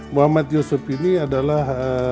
muhammad yusuf ini adalah